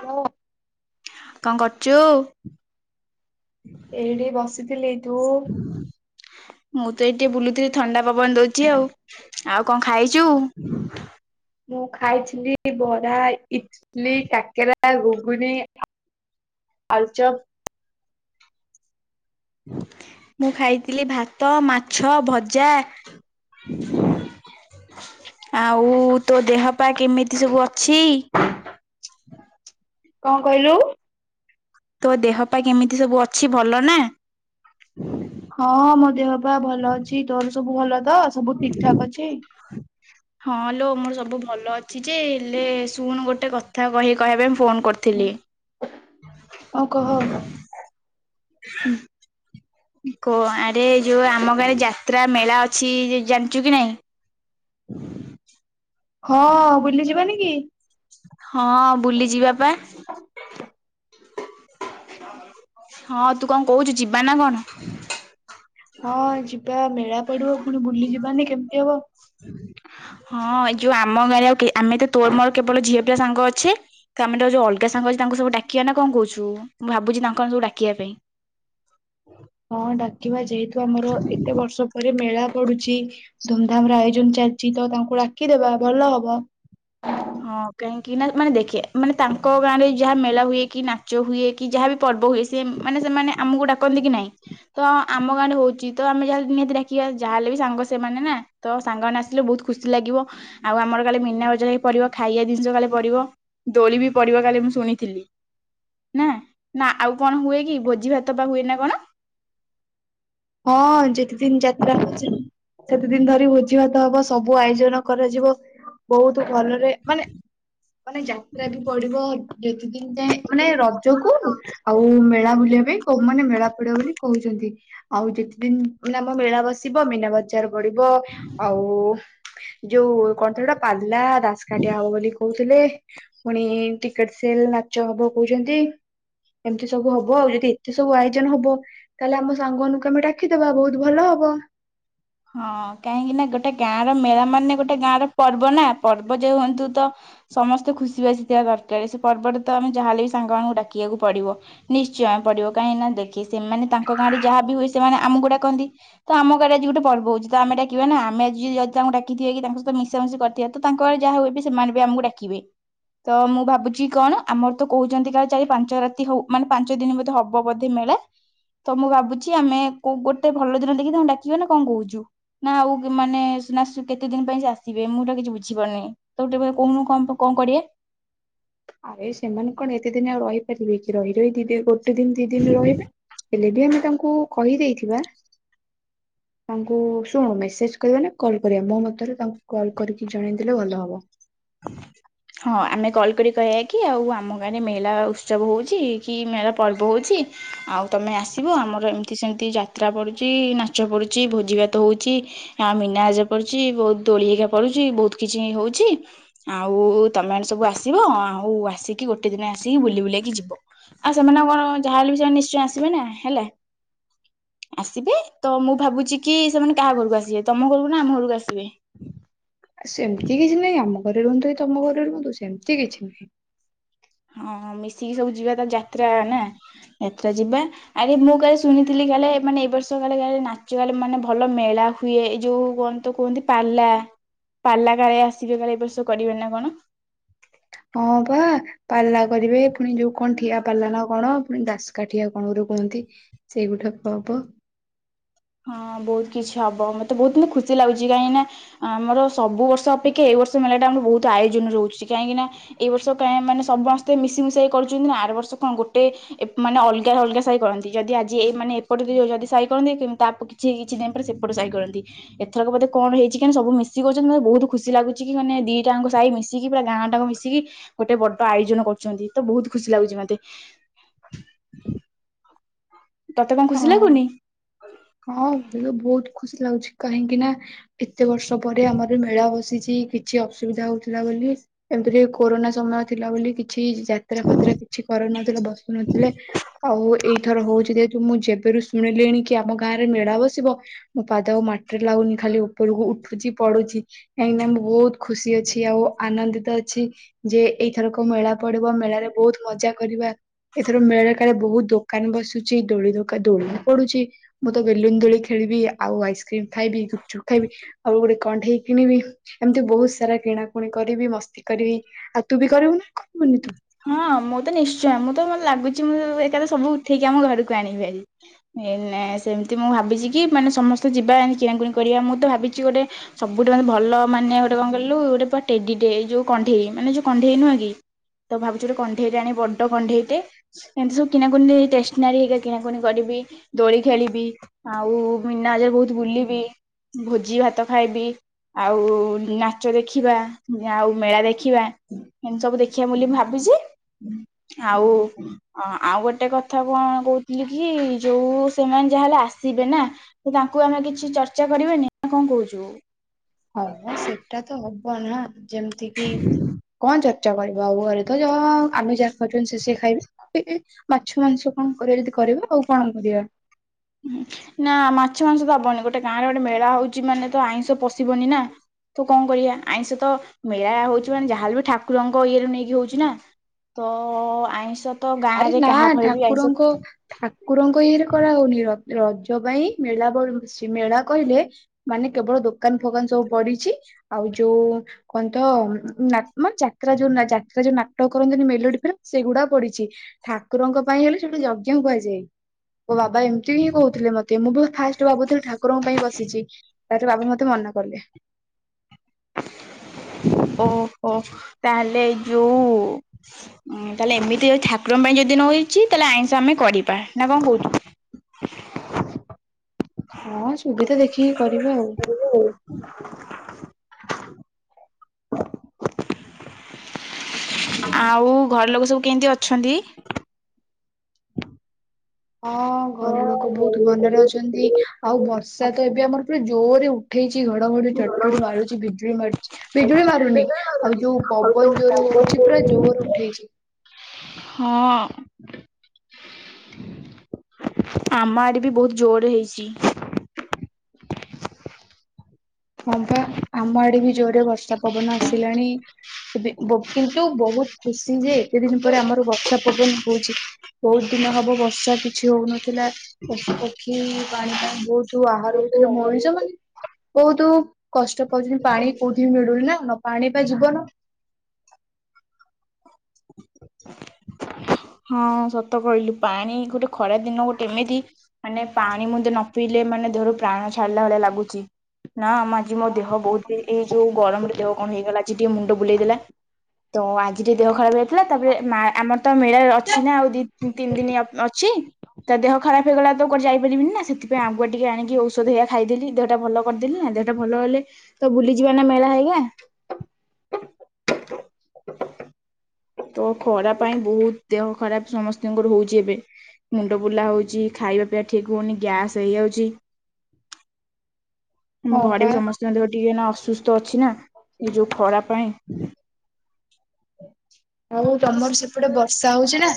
Hello. କଣ କରୁଛୁ? ଏଇଠି ବସିଥିଲି ତୁ? ମୁଁ ତ ଏଠି ବୁଲୁଥିଲି ଥଣ୍ଡା ପବନ ଦଉଛି ଆଉ ଆଉ କଣ ଖାଇଛୁ? ମୁଁ ଖାଇଥିଲି ବରା ଇଟଲି କାକେରା ଘୁଗୁନ ଆଳୁଚପ ମୁଁ ଖାଇଥିଲି ଭାତ ମାଛ ଭଜା ଆଉ ତୋ ଦେହ ପା କେମିତି ସବୁ ଅଛି? କଣ କହିଲୁ? ତୋ ଦେହ ପା କେମିତି ସବୁ ଅଛି ଭଲ ନା। ହଁ ମୋ ଦେହ ପା ଭଲ ଅଛି ତୋର ସବୁ ଭଲ ଅ ତ ସବୁ ଠିକ ଠାକ ଅଛି। ହଁଲୋ ମୋର ସବୁ ଭଲ ଅଛି ଯେ ହେଲେ ଶୁଣୁ ଗୋଟେ କଥା କହି କହିବା ପାଇଁ ଫୋନ କରିଥିଲି। ଆଉ କହ। କ ଆରେ ଯୋଉ ଆମ ଗାଁରେ ଯାତ୍ରା ମେଳା ଅଛି ଜାଣିଛୁ କି ନାଇଁ? ହଁ ବୁଲି ଯିବାନି କି? ହଁ ବୁଲି ଯିବା ପା ହଁ ତୁ କଣ କହୁଛୁ ଯିବା ନା କଣ? ହଁ ଯିବା ମେଳା ପଡିବ ପୁଣି ବୁଲି ଯିବାନି କେମିତି ହବ? ହଁ ଏ ଯୋଉ ଆମ ଗାଁରେ ଆଉ କିଏ ଆମେ ତ ତୋର ମୋର କେବଳ ଝିଅ ପିଲା ସାଙ୍ଗ ଅଛେ ତ ଆମେ ଯୋଉ ଅଲଗା ସାଙ୍ଗ ଅଛି ତାଙ୍କୁ ସବୁ ଡାକିବା ନା କଣ କହୁଛୁ ମୁଁ ଭାବୁଛି ତାଙ୍କ ସବୁ ଡାକିବା ପାଇଁ ହଁ ଡାକିବା ଯେହେତୁ ଆମର ଏତେ ବର୍ଷ ପରେ ମେଳା ପଡୁଛି। ଧୁମଧାମ ର ଆୟୋଜନ ଚାଲିଛି ତ ତାଙ୍କୁଡାକିଦବା ଭଲ ହବ। ହଁ କାହିଁକି ନା ମାନେ ଦେଖେ ମାନେ ତାଙ୍କ ଗାଁରେ ଯାହା ମେଳା ହୁଏ କି ନାଚ ହୁଏ କି ଯାହା ବି ପର୍ବ ହୁଏ ସେ ମାନେ ସେମାନେ ଆମକୁ ଡାକନ୍ତି କି ନାହିଁ ତ ଆମ ଗାଁରେ ହଉଛି ତ ଆମେ ଯାହା ନିହାତି ଡାକିବା ଯାହା ହେଲେ ବି ସାଙ୍ଗ ସେମାନେ ନା ତ ସାଙ୍ଗମାନେ ଆସିଲେ ବହୁତ ଖୁସି ଲାଗିବ ଆଉ ଆମର କାଳେ ମିନା ବଜା ହେ ପରିବ ଖାଇବା ଜିନିଷ ଖାଲି ପଡିବ ଦୋଳି ବି ପଡିବ କାଳେ ମୁଁ ଶୁଣିଥିଲି ନା ନା ଆଉ କଣ ହୁଏ କି ଭୋଜି ଭାତ ପା ହୁଏ ନା କଣ? ହଁ ଯେତେ ଦିନ ଯାତ୍ରା ହଉଛି ସେତେ ଦିନ ଧରି ଭୋଜିଭାତ ହବ ସବୁ ଆୟୋଜନ କରାଯିବ ବହୁତ ଘରରେ ମାନେ ମାନେ ଯାତ୍ରା ବି ପଡିବ ଯେତ ଦିନ ଯାଏ ମାନେ ରଜକୁ ଆଉ ମେଳା ବୁଲିବା ପାଇଁ କୋଉମାନେ ମେଳା ପଡ଼ିବ ବୋଲି କହୁଛନ୍ତି। ଆଉ ଯେତେ ଦିନ ମାନେ ଆମ ମେଳା ବସିବ ମିନା ବଜାର ପଢିବ ଆଉ ଯୋଉ କଣତ ହେଟା ହେଲା ଦାସ କାଟିଆ ହବ ବୋଲି କହୁ ହେଲେ ପୁଣି ଟିକେଟ ସେଲ ନାଚ ହବ କହୁଛନ୍ତି ଏମିତି ସବୁ ହବ ଆଉ ଯଦି ଏତେ ସବୁ ଆୟୋଜନ ହବ ତାହେଲେ ଆମ ସାଙ୍ଗମାନଙ୍କୁ ଡାକିଦବା ବହୁତ ଭଲ ହବ। ହଁ କାହିଁକି ନା ଗୋଟେ ଗାଁ ର ମେଳା ମାନେ ଗୋଟେ ଗାଁ ର ପର୍ବ ନା ପର୍ବ ଯେ ହୁଅନ୍ତୁ ତ ସମସ୍ତେ ଖୁସିବାସୀ ଥିବା ଦରକାର ସେ ପର୍ବରେ ତ ଆମେ ଯାହେଲେ ବି ସାଙ୍ଗମାନଙ୍କୁ ଡାକିବାକୁ ପଡିବ ନିଶ୍ଚୟ ପଡିବ କାହିଁକି ନା ଦେଖେ ସେମାନେ ତାଙ୍କ ଗାଁରେ ଯାହା ବି ହୁଏ ସେମାନେ ଆମକୁ ଡାକନ୍ତି ତ ଆମ ଗାଁରେ ଆଜି ଗୋଟେ ପର୍ବ ହଉଛି ତ ଆମେ ଡାକିବା ନା ଆମେ ଯଦି ଯଦି ତାଙ୍କୁ ଡାକିଥିବେ କି ତାଙ୍କ ସହିତ ମିଶାମିଶି କରିଥିବା ତ ତାଙ୍କ ବଳେ ଯାହା ହୁଏବ ସେମାନେ ବି ଆମକୁ ଡାକିବେ ତ ମୁଁ ଭାବୁଛି କଣ ଆମର ତ କହୁଛନ୍ତି କାଲି ଚାରି ପାଞ୍ଚ ରାତି ହଉ ମାନେ ପାଞ୍ଚ ଦିନ ବୋଧେ ହବ ବୋଧେ ମେଳା ତ ମୁଁ ଭାବୁଛି ଆମେ କଉ ଗୋଟେ ଭଲ ଦିନ ଦେଖି ତାଙ୍କୁ ଡାକିବା ନା କଣ କହୁଛୁ? ନା ଆଉ ମାନେ ସିନା କେତେ ଦିନ ପାଇଁ ସେ ଆସିବେ ମୁଁ ତ କିଛି ବୁଝିପାରୁନି ତ ଗୋଟେ କଣ କହୁଁନୁ କଣ କରିବା? ଆରେ ସେମାନେ କଣ ଏତେ ଦିନ ଆଉ ରହିପାରିବେ କି ରହି ରହି ଦି ଦିନ ପର୍ ଗୋଟେ ଦିନ ଦି ଦିନ ରହିବେ ହେଲେ ବି ଆମେ ତାଙ୍କୁ ଙ୍କୁ କହିଦେଇଥିବା ତାଙ୍କୁ ଶୁଣୁ ମେସେଜ କରିବା କଲ କରିବା ମୋ ମତରେ ତାଙ୍କୁ କଲ କରିକି ଜଣେଇ ଦେଲେ ଭଲ ହବ ହଁ ଆମେ କଲ କରି କହିବା କି ଆଉ ଆମ ଗାଁରେ ମେଳା ଉତ୍ସବ ହଉଛି କି ମେଳା ପର୍ବ ହଉଛି ଆଉ ତମେ ଆସିବ ଆମର ଏମିତି ସେମିତି ଯାତ୍ରା ପଡୁଛି ନାଚ ପଡୁଛି ଭୋଜି ଭାତ ହଉଛି ଆଉ ମିନାବଜାର ପଡୁଛି ବହୁତ ଦୋଳି ହେକା ପଡୁଛି ବହୁତ କିଛି ହଉଛି। ଆଉ ତମେ ମାନେ ସବୁ ଆସିବ ଆଉ ଆସିକି ଗୋଟେ ଦିନ ଆସିକି ବୁଲି ବୁଲାକି ଯିବ ଆଉ ସେମାନେ କଣ ଯାହାହଲେ ବି ସେମାନେ ନିଶ୍ଚୟ ଆସିବେ ନା ହେଲା ଆସିବେ ତ ମୁଁ ଭାବୁଛି କି ସେମାନେ କାହା ଘରକୁ ଆସିବେ ତମ ଘରକୁ ନା ଆମ ଘରକୁ ଆସିବେ ଆ ସେମିତି କିଛି ନାହିଁ ଆମକୁ ଘରେ ରୁହନ୍ତୁ କି ତମ ଘରେ ରୁହନ୍ତୁ ସେମିତି କିଛି ନାହିଁ। ହଁ ମିଶିକି ସବୁ ଯିବା ତା ଯାତ୍ରା ନା ଯାତ୍ରା ଯିବା ଆରେ ମୁଁ କାଲି ଶୁଣିଥିଲି କାଳେ ମାନେ ଏ ବର୍ଷ କାଳେ ନାଚ କାଳେ ମାନେ ଭଲ ମେଳା ହୁଏ ଯୋଉ କୁହନ୍ତ କୁହନ୍ତି ପାଲା ପାଲା କାଳେ ଆସିବେ କାଲି ଏ ବର୍ଷ କରିବେ ନା କଣ? ହଁ ବା ପାଲା କରିବେ ପୁଣି ଯୋଉ କଣ ଠିଆ ପାଲା ନା କଣ ପୁଣି ଦାସକାଠିଆ କଣ କର କୁହନ୍ତି ସେଇଗୋଟାକ ହବ ହଁ ବହୁତ କିଛି ହବ ମତେ ବହୁତ ମ ଖୁସି ଲାଗୁଛି କାହିଁକି ନା ଆମର ସବୁ ବର୍ଷ ଅପେକ୍ଷା ଏଇ ବର୍ଷ ମେଳା ଟା ଆମର ବହୁତ ଆୟୋଜନ ରହୁଛି କାହିଁକି ନା ଏଇ ବର୍ଷ ମାନେ ସମସ୍ତେ ମିଶିମ ମିଶାଇ କରୁଛନ୍ତି ନା ଆର ବର୍ଷ କଣ ଗୋଟେ ମାନେ ଅଲଗାରେ ଅଲଗା ସାହି କରନ୍ତି ଯଦି ଆଜି ଏ ମାନେ ଏପଟେ ଯଦି ସାହି କରନ୍ତି। ତା କିଛି କିଛି ଦିନ ପରେ ସେପଟ ସାହି କରନ୍ତି ଏଥରକ ବୋଧେ କଣ ହେଇଛି କି ସବୁ ମିଶି କରଛନ୍ତି ମତେ ବହୁତ ଖୁସି ଲାଗୁଛି କି ମାନେ ଦିଟାଙ୍କ ସାହି ମିଶିକି ପୁରା ଗାଁ ଟାଙ୍କ ମିଶିକି ଗୋଟେ ବଡ ଆୟୋଜନ କରୁଛନ୍ତି ତ ବହୁତ ଖୁସି ଲାଗୁଛି ମତେ ତତେ କଣ ଖୁସି ହଁ। ଲାଗୁନି ହଁ ମତେ ତ ବହୁତ ଖୁସି ଲାଗୁଛି କାହିଁକି ନା ଏତେ ଏତେ ବର୍ଷ ପରେ ଆମର ମେଳା ବସିଛି। କିଛି ଅସୁବିଧା ହଉଥିଲା ବୋଲି ଏମିତିରେ କୋରୋନା ସମୟ ଥିଲା ବୋଲି କିଛି କି ଯାତ୍ରା ଫାତ୍ରା କିଛି କରୁନଥିଲେ ବସୁନଥିଲେ ଆଉ ଏଇଥର ହଉଛି ଯେହେତୁ ମୁଁ ଯେବେରୁ ଶୁଣିଲିଣି କି ଆମ ଗାଁରେ ମେଳା ବସିବ ମୁଁ ପାଦ ମାଟିରେ ଲାଗୁନି ଖାଲି ଉପରକୁ ଉଠୁଛି ପଡୁଛି କାହିଁକିନା ମୁଁ ବହୁତ ଖୁସି ଅଛି ଆଉ ଆନନ୍ଦିତ ଅଛି ଯେ ଏଇଥରକ ମେଳା ପଡିବ ମେଳାରେ ବହୁତ ମଜା କରିବା ଏଥର ମେଳା କାଳେ ବହୁତ ଦୋକାନ ବସୁଛି। ଦୋଳି ଧକାା ଦୋଳି ବି ପଡୁଛି ମୁଁ ତ ବେଲୁନ ଦୋଳି ଖେଳିବି ଆଉ ଆଇସ୍କ୍ରିମ ଖାଇବି ଗୁପଚୁପ ଖାଇବି ଆଉ ଗୋଟେ କଣ୍ଢେଇ କିଣିବି ଏମିତି ବହୁତ ସାରା କିଣାକଣି କରିବି ମସ୍ତି କରିବି ଆଉ ତୁ ବି କରିବୁ ନା କରିବୁନି ତୁ ହଁ ମୁଁ ତ ନିଶ୍ଚୟ ମୁଁ ତ ମତେ ଲାଗୁଛି। ମୁଁ ଏକାଥରକେ ସବୁ ଉଠେଇକି ଆମ ଘରକୁ ଆଣିବି ଭାରି ସେମିତି ମୁଁ ଭାବିଛି କି ମାନେ ସମସ୍ତେ ଯିବା ଏମତି କିଣାକଣି କରିବା ମୁଁ ତ ଭାବିଛି ଗୋଟେ ସବୁଠୁ ମାନେ ଭଲ ମାନେ ଗୋଟେ କଣ କହିଲୁ ଗୋଟେ ଟେଡି ଯୋଉ କଣ୍ଢେଇ ମାନେ ଯୋଉ କଣ୍ଢେଇ ନୁହଁ କି? ତ ଭାବୁଛୁ ଗୋଟେ କଣ୍ଢେଇଟେ ଆଣି ବଡ଼ କଣ୍ଢେଇଟେ ଏମିତି ସବୁ କିଣାକଣି ଟେଷ୍ଟନାରୀ ହେରିକା କିଣାକଣି କରିବି ଦୋଳି ଖେଳିବି ଆଉ ମିନାବଜାରେ ବହୁତ ବୁଲିବି ଭୋଜି ଭାତ ଖାଇବି ଆଉ ନାଚ ଦେଖିବା ଆଉ ମେଳା ଦେଖିବା ଏମତି ସବୁ ଦେଖିବା ବୋଲି ଭାବ ଛି ଆଉ ଆଉ ଗୋଟେ କଥା କଣ କହୁଥିଲି କି ଯୋଉ ସେମାନେ ଯାହା ହେେଲେ ଆସିବେ ନା ତାଙ୍କୁ ଆମେ କିଛି ଚର୍ଚ୍ଚା କରବାନି କଣ କହୁଛୁ। ହଁ ସେଟା ତ ହବ କହନା ଯେମିତି କିି କଣ ଯା ଚାୱଲ ବାଉ ଘରେ ତ ଯଅ ଆମେ ଯାହା ଖାଉଛନ୍ତି ସେ ସେଆ ଖାଇଵେ ମାଛ ମାଂସ କଣ କରିବା ଯଦି କରିବା ଆଉ କଣ କରିବା। ନା ମାଛ ମାଂସ ତ ହବନି ଗୋଟେ ଗାଁରେ ଗୋଟେ ମେଳା ହଉଛି ମାନେ ତ ଆଇଁଷ ପଶିବନି ନା ତ କଣ କରିବା ଆଇଁଷ ତ ମେଳା ହଉଛି ମାନେ ଯାହାହଲେ ବି ଠାକୁରଙ୍କ ଇଏରୁ ନେଇକି ହଉଛି ନା ତ ଆଇଁଷ ତ ଗାଁ ଆରେ ରେ ନା କାହା ଘରେ ବି ଆଇଁଷ ଠାକୁରଙ୍କ ଠାକୁରଙ୍କ ଇଏରେ କରା ହଉନି ରଥ ରଜ ପାଇଁ ମେଳା ମେଳା କହିଲେ ମାନେ କେବଳ ଦୋକାନ ଫୋକାନ ସବୁ ପଡିଛି ଆଉ ଯୋଉ କୁହନ୍ତ ଯାତା ଯୋଉ ଯାତା ଯୋଉ ନାଟକ କରନ୍ତିନି ମେଲୋଡି ଫିଲ୍ମ ସେଗୁଡା ପଡିଛି। ଠାକୁରଙ୍କ ପାଇଁ ହେଲେ ସେୋଟୁ ଯଜ୍ଞ କୁହାଯାଏ। ମୋ ବାବା ଏମିତି ହିଁ କହୁଥିଲେ ମତେ ମୁଁ ବି ଫାଷ୍ଟ ଭାବୁଥିଲି ଠାକୁରଙ୍କ ପାଇଁ ବସିଛି। ତାରେ ବାବା ମତେ ମନା କଲେ ଓହୋ ତାହେଲେ ଯୋଉ ତାହଲେ ଏମିତି ଯୋଉ ଠାକୁରଙ୍କ ପାଇଁ ଯଦି ନ ହେଇଛି ତାହଲେ ଆଇଷ ଆମେ କରିବା ନା କଣ କହୁଛୁ? ହଁ ସୁବିଧା ଦେଖି କିଏ କରିବା ଆଉ [unintelligible] ଆଉ ଘର ଲୋକ ସବୁ କେମିତି ଅଛନ୍ତି। ହଁ ଘର ଲୋକ ବହୁତ ଭଲରେ ଅଛନ୍ତି ଆଉ ବ ବର୍ଷା ତ ଏବେ ଆମର ପୁରା ଜୋରରେ ଉଠେଇଚି। ଘଡଘଡ ଚଟ ଚଡି ମାରୁଛି ବିଜୁଳି ମାରୁଛି ବିଜୁଳି ମାରୁନି ବେଗରେ ଆଉ ଲାଗୁନି ଯୋଉ ଆଉ ଯୋଉ ପବନ ଜୋର ହଉଛି ପୁରା ଯୋଉ ଜୋର ଉଠେଇଛି। ହଁ ଆମ ଆଡ ବି ବହୁତ ଜୋର ହେଇଛି। ହଁ ବା ଆମ ଆଡେ ବି ଜୋରରେ ବର୍ଷା ପବନ ଆସିଲାଣି ଏବେ କିନ୍ତୁ ବହୁତ ଖୁସି ଯେ ଏତେ ଦିନ ପରେ ଆମର ବର୍ଷା ପବନ ହଉଛି ବହୁତ ଦିନ ହବ ବର୍ଷା କିଛି ହଉନଥିଲା ପଶୁପକ୍ଷୀ ବାଣୀ ପାଇଁ ବହୁତ ଆହାର ହଉଥିଲେ ମଣିଷ ମାନେ। ବହୁତ କଷ୍ଟ ପାଉଛନ୍ତି ପାଣି କୋଉଠି ବି ମିଳୁନି ନା ନ ପାଣି ବା ଯିବନ ହଁ ସତ କହିଲୁ ପାଣି ଗୋଟେ ଖରା ଦିନ ଗୋଟେ ଏମିତି ମାନେ ପାଣି ମତେ ନ ପିଇଲେ ମାନେ ଦେହରୁ ପ୍ରାଣ ଛାଡିଲା ଭଳିଆ ଲାଗୁଛି। ନା ଆଜି ମୋ ଦେହ ବହୁତ ଏଇ ଯୋଉ ଗରମରେ ଦେହ କଣ ହେଇଗଲା ଆଜି। ଟିକେ ମୁଣ୍ଡ ବୁଲେଇ ଦେଲା ତ ଆଜି ଟିକେ ଦେହ ଖରାପ ହେ ଥିଲା ତାପରେ ମା ଆମର ତ ମେଳା। ଅଛି ନା ଆଉ ଦ ତିନି ଦିନ ଅଛି ତା ଦେହ ଖରାପ। ଫଗ ତ ଯାଇପାରିବିନି ନା ସେଥିପାଇଁ ଆଗକୁଆ ଟିକେ ଆଣିକି ଔଷଧ ହେଇଆ ଖାଇଦେଲି ଦେହଟା ଭଲ କରିଦେଲିି ନା ଦେହଟା ଭଲ ହେଲେ ତ ବୁଲିଯିବା ନା ମେଳା ହେଇଗା ତ ଖରା ପାଇଁ ବହୁତ। ଦେହ ଖରାପ ସମସ୍ତଙ୍କର ହଉଛି ଏବେ ମୁଣ୍ଡ ବୁଲା ହଉଛି ଖାଇବା ପିଇବା ଠିକ ହଉନି ଗ୍ୟାସ ହେଇଯାଉଛି। ଆମ ହଁ ଘରେ ପା। ବି ସମସ୍ତଙ୍କ ଦେ ଟିକେ ଅସୁସ୍ଥ ଅଛି ନା ଏ ଯୋଉ ଖରାପ। ପାଇଁ ଆଉ ତମର ସେପଟେ ବ ସହୁଛି ନା।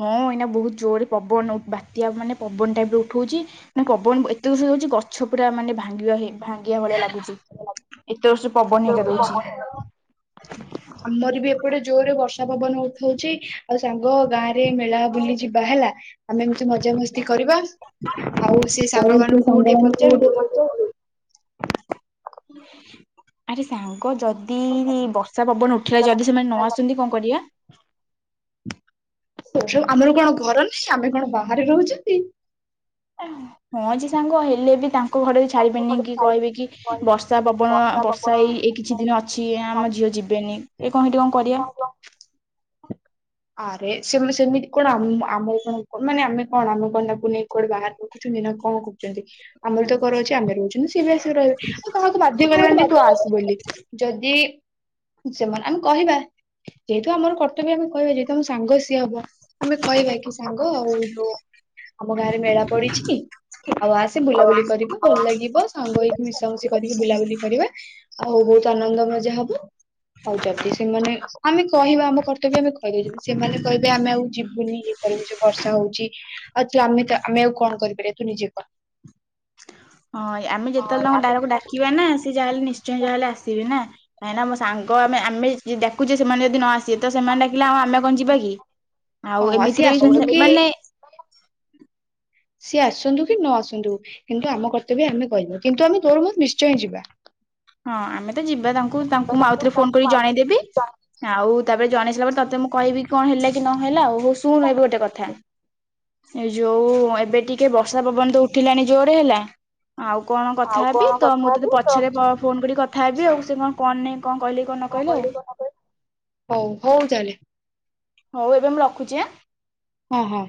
ହଁ ଏଇନା ବହୁତ ଜୋରରେ ପବନ ବାତ୍ୟା ମାନେ ପବନ ଟାଇପ ରେ ଉଠଉଛି ମାନ ପବନ ଏତେ ଦ ହଉଛି ଗଛ ପୁରା ମାନେ ଭାଙ୍ଗିବା ଭାଙ୍ଗିବା ଭଳିଆ ଲାଗୁଛି। ଜୋରସେ ପବନ ହେରିକା ଦଉଛି। ଆମର ବି ଏପଟେ ଜୋରେ ବର୍ଷ ପବନ ଉଠଉଛି ଆଉ ସାଙ୍ଗ ଗାଁ ରେ ମେଳା ବୁଲି ଯିବା ହେଲା ଆମେ ମଜାମସ୍ତି କରିବା ଆଉ ସେ କଣ ସାଙ୍ଗ ତୁ ମାନଙ୍କୁ ଟିକେ ସାଙ୍ଗମାନଙ୍କୁ କୋଉଠି ପଚାରନ୍ତି। ପଚାରିଲୁ? ଆରେ ସାଙ୍ଗ ଯଦି ବର୍ଷା ପବନ ଉଠିଲା ଯଦି ସେମାନେ ନ ଆସନ୍ତି କଣ କରିବା? ଆମର କଣ ଘର ନାହିଁ ଆମେ କଣ ବାହାରେ ରହୁଛନ୍ତି। ହଁଜି ସାଙ୍ଗ ହେଲେ ବି ତାଙ୍କ ଲୋକ ଘରେରେ ବର୍ଷା ଛଡିବେନି କି କହିବେ କି ବର୍ଷା ପବନ ବର୍ଷା ଏଇ ଏ କିଛି ଦିନ ଅଛି ବର୍ଷା ଆମ ଝିଅ ଯିବେନି। ଏ କଣ ସେଇଠି କଣ କରିଆ। ହେଇଛି ଆରେ ସେ ସେମିତି କଣ ଆମ କଣ ମାନେ ଆମେ କଣ ଆମ କ ନାକୁ ନେଇ କୁଆଡେ ବାହାରେ ରଖୁଛନ୍ତି ନା କଣ କରୁଛନ୍ତି। ଆମର ତ କର ଅଛି ଆମେ ରହୁଛଛନ୍ତି ସିଏ ବି ଆସିକି ରହିବେ ଆଉ ତମକୁ ବାଧ୍ୟ କରିବାନି ଯେ ତୁ ଆସୁ ବୋଲି ଯଦି ସେମାନେ ଆମେ କହିବା ଯେହେତୁ ଆମର କର୍ତ୍ତବ୍ୟ ଆମେ କହିବା ଯେ ତମ ସାଙ୍ଗ ସିଏ ହବ ଆମେ କହିବା କି ସାଙ୍ଗ ଆଉ ଯଉ ଆମ ଗାଁ ରେ ମେଳା ପଡିଛି ଆଉ ଆସି ବୁଲାବୁଲି କରିବା ଭଲ ଲାଗିବ ସାଙ୍ଗ ହେଇକି ମିଶାମଶି କରିକି ବୁଲାବୁଲି କରିବା। ଆଉ ବହୁତ ଆନନ୍ଦ ମଜା ହବ। ହଉ ଯଦି ସେମାନେ ଆମେ କହିବା ଆମ କର୍ତ୍ତବ୍ୟ ଆମେ କ [inaudible] ସେମାନେ କହିବେ ଆମେ ଆଉ ଯିବୁନି। କରିବୁଛ ବର୍ଷା ହଉଛି ଆଉ ତୁ ଆମେ ତ ଆମେ ଆଉ କଣ କରିପାରିବା ତୁ ନିଜେ କ ହଁ ଆମେ ଯେତେବେଳେ ତାଙ୍କ ଡରକୁ ଡାକିବା ନା ସେିଏ ଯାହାେଲେ ନିଶ୍ଚୟ ଯାହାେଲେ ଆସିବେ ନା କାହିଁକିନା ମୋ ସାଙ୍ଗ ଆମେ ଆମେ ଡାୁଛେ ସେମାନେ ଯଦି ନ ଆସିବେ ତ ସେମାନେ ଡାକିଲେ ଆଉ ଆମେ କଣ ଯିବା କି? ଆଉ ହଁ ସିଏ ଏମିତିରେ ଆସନ୍ତୁ ବି କି ମାନେ [inaudible] ସିଏ ଆସନ୍ତୁ କି ନ ଆସନ୍ତୁ କିନ୍ତୁ ଆମ କର୍ତ୍ତବ୍ୟ ଆମେ କହିନୁ କିନ୍ତୁ ଆମେ ତୋରୁମ ନିଶ୍ଚୟ ହିଁ ଯିବା ହଁ ଆମେ ତ ଯିବା ତାଙ୍କୁ ତ ତାଙ୍କୁ ମୁଁ ଆଉଥରେ ଫୋନ କରି ତାଙ୍କୁ ଆଉ ଜଣେଇଦେବି ଆଉ ତାପରେ ଜଣେଇ ସାରିଲା ପରେ ତତେ ମୁଁ କହିବି କଣ ହେଲା କି ନହଲା ଆଉ ହଉ ଶୁଣୁ ଏବେ ଗୋଟେ କଥା ଏ ଯୋଉ ଏବେ ଟିକେ ବର୍ଷା ପବନ ତ ଉଠିଲାଣି ଯୋରେ ହେଲା। ଆଉ କଣ କଥା ଆଉ ହେବି କଣ ତ କଥା ମୁଁ ତତେ ହେବି ତ ପଛରେ ପୁଣି କଥା ହେବି ଆଉ ସେ କଣ? କଣ ନେ? କଣ କହିଲି କ କହ ହଉ ହଉ ଚାଲେ ହଉ ଏବେ ମୁଁ ରଖୁଛି ଆଁ ହଁ ହଁ।